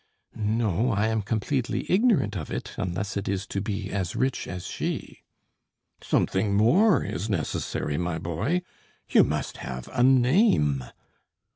"No, I am completely ignorant of it, unless it is to be as rich as she." "Something more is necessary, my boy; you must have a name."